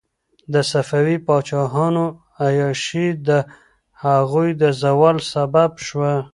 د صفوي پاچاهانو عیاشي د هغوی د زوال سبب شوه.